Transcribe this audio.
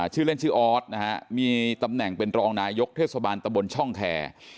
ชื่อเล่นชื่อออสนะฮะมีตำแหน่งเป็นรองนายกเทศบาลตะบนช่องแคร์